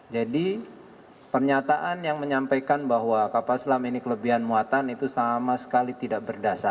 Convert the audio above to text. jadi pernyataan yang menyampaikan bahwa kapal selam ini kelebihan muatan itu sama sekali tidak berdasarkan